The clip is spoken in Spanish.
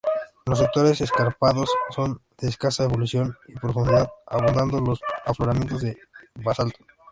Los sectores escarpados son de escasa evolución y profundidad, abundando los afloramientos de basalto.